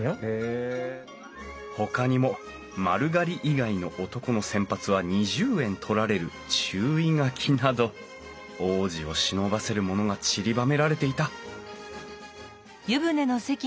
ほかにも丸刈り以外の男の洗髪は２０円取られる注意書きなど往事をしのばせるものがちりばめられていたハルさん。